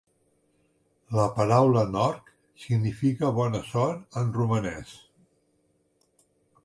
La paraula "noroc" significa "bona sort" en romanès.